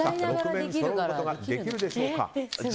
６面そろえることができるでしょうか。